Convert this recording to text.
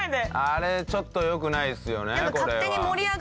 あれちょっと良くないですよねこれは。